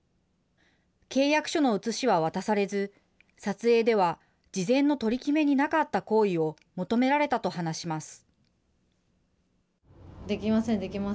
契約書の写しは渡されず、撮影では事前の取り決めになかった行為を求められたと話します。